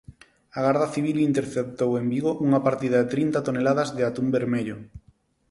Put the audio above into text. A Garda Civil interceptou en Vigo unha partida de trinta toneladas de atún vermello.